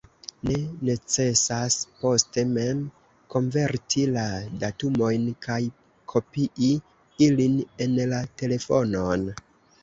Ne necesas poste mem konverti la datumojn kaj kopii ilin en la telefonon.